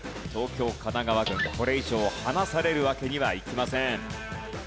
東京・神奈川軍これ以上離されるわけにはいきません。